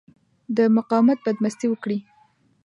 د مقاومت بدمستي وکړي.